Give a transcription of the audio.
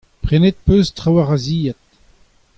Prenet ez peus trawalc'h a zilhad.